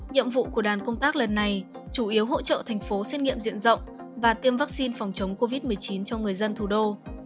nhiệm vụ của đoàn công tác lần này chủ yếu hỗ trợ thành phố xét nghiệm diện rộng và tiêm vaccine phòng chống covid một mươi chín cho người dân thủ đô